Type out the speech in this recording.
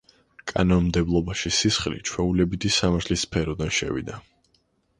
კანონმდებლობაში „სისხლი“ ჩვეულებითი სამართლის სფეროდან შევიდა.